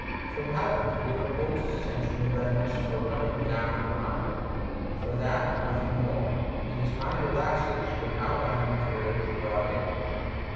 From habit the reader holds his attention in readiness for running down a crime — for that and nothing more — ^and his mind relaxes when outlying material is brought in.